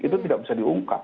itu tidak bisa diungkap